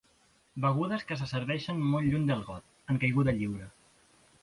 Begudes que se serveixen molt lluny del got, en caiguda lliure.